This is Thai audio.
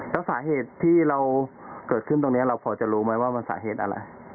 แล้วสาเหตุที่เราเกิดขึ้นตรงนี้เราพอจะรู้ไหมว่ามันสาเหตุอะไร